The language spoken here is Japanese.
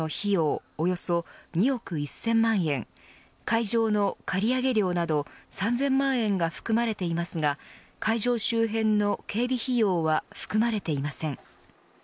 会場の借り上げ料など３０００万円が含まれていますが会場周辺の警備費用は含まれていません。